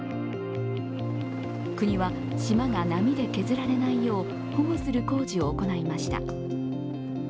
国は島が波で削られないよう保護する工事を行いました。